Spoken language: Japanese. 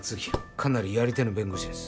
かなりやり手の弁護士です